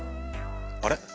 あれ？